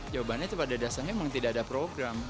jawabannya itu pada dasarnya memang tidak ada program